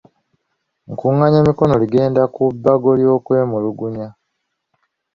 Nkungaanya mikono gigenda ku bbago ly'okwemulugunya.